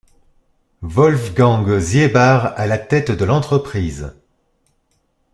Wolfgang Ziebart à la tête de l'entreprise.